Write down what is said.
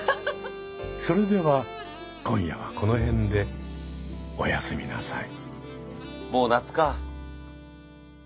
それでは今夜はこの辺でお休みなさい。